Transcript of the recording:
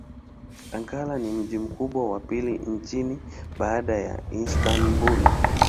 Ankara ni mji mkubwa wa pili nchini baada ya Istanbul.